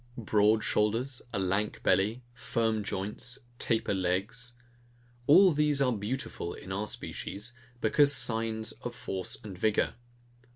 Broad shoulders, a lank belly, firm joints, taper legs; all these are beautiful in our species, because signs of force and vigour.